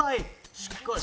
しっかり。